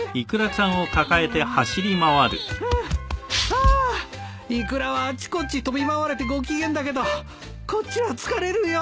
ハァイクラはあっちこっち飛び回れてご機嫌だけどこっちは疲れるよ。